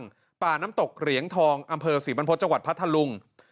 ป่าน้ำตกเหรียงทองอำเภอศรีบรรพฤษจังหวัดพัทธลุง